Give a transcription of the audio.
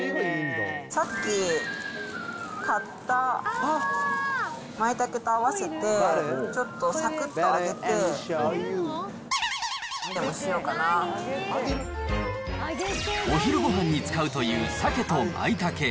さっき買ったまいたけと合わせて、ちょっとさくっと揚げて、お昼ごはんに使うというサケとまいたけ。